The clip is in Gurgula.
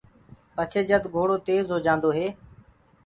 پڇي جد گھڙو تير هوجآندو هي،